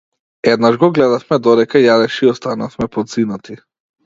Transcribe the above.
Еднаш го гледавме додека јадеше и останавме подзинати.